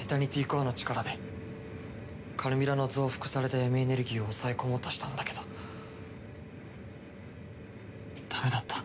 エタニティコアの力でカルミラの増幅された闇エネルギーを押さえ込もうとしたんだけどだめだった。